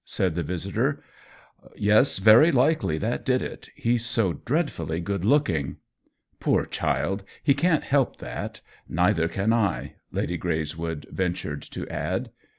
said her visitor. "Yes, very likely that did it. He's so dreadfully good looking." "Poor child, he can't help that. Neither can I !" Lady Greyswood ventured to add.